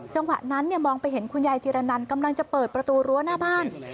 จังหวะนั้นมองไปเห็นคุณยายจิรนันกำลังจะเปิดประตูรั้วหน้าบ้าน